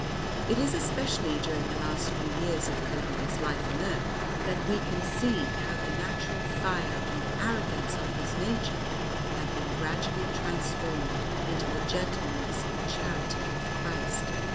It is especially during the last few years of Columba's life on earth that we can see how the natural fire and arrogance of his nature had been gradually transformed into the gentleness and charity of Christ.